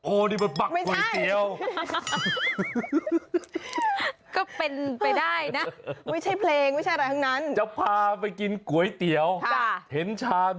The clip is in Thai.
ออกเต้นมันพร้อมกัน